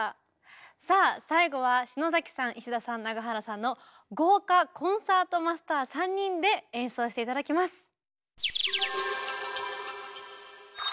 さあ最後は篠崎さん石田さん長原さんの豪華コンサートマスター３人で演奏して頂きます。